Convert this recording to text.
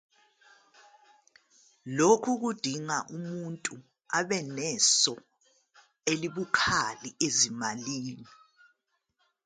Lokhu kudinga umuntu abe neso elibukhali ezimalini.